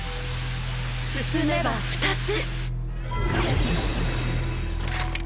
進めば２つ。